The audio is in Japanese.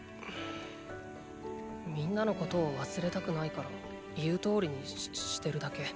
みんなのことを忘れたくないから言うとおりにしてるだけ。